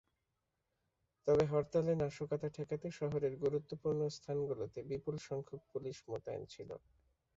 তবে হরতালে নাশকতা ঠেকাতে শহরের গুরুত্বপূর্ণ স্থানগুলোতে বিপুলসংখ্যক পুলিশ মোতায়েন ছিল।